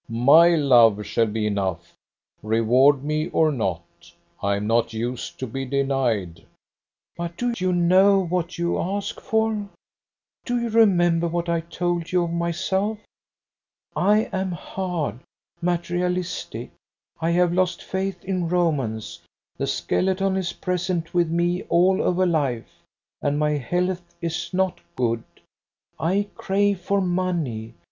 My love shall be enough. Reward me or not. I am not used to be denied." "But do you know what you ask for? Do you remember what I told you of myself? I am hard, materialistic; I have lost faith in romance, the skeleton is present with me all over life. And my health is not good. I crave for money.